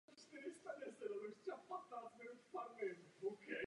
Oblast pokrývá poušť.